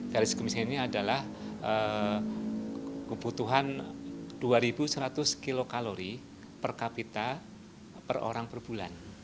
garis kemiskinan ini adalah kebutuhan dua seratus kilokalori per kapita per orang per bulan